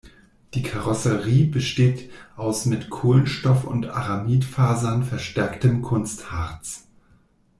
Die Karosserie besteht aus mit Kohlenstoff- und Aramidfasern verstärktem Kunstharz.